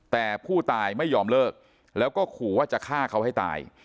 แต่ผู้ตายไม่ยอมเลิกแล้วก็ขู่ว่าจะฆ่าเขาให้ตาย